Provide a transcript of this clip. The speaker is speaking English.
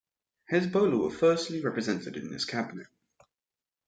Hezbollah were firstly represented in this cabinet.